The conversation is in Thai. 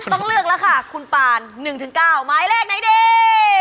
ต้องเลือกแล้วค่ะคุณปาน๑๙หมายเลขไหนดี